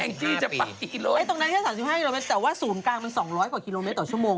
งจี้จะไปกี่กิโลตรงนั้นแค่๓๕กิโลเมตรแต่ว่าศูนย์กลางมัน๒๐๐กว่ากิโลเมตรต่อชั่วโมง